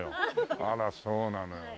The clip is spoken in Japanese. あらそうなのよね。